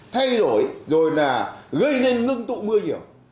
thay đổi rồi là gây nên ngưng tụ mưa nhiều